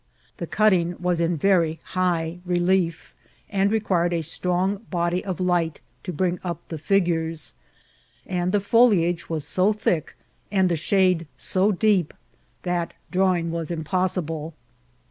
The cutting was in very high relief, and required a strong 118 INCIDINTS OF TRATIL. body of light to bring up the figures ; and the foliage was so thick, and the shade so deep, that drawing was impossible.